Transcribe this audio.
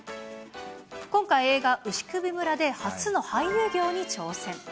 今回映画、牛首村で初の俳優業に挑戦。